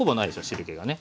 汁けがね。